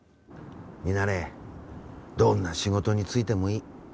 ミナレどんな仕事に就いてもいい。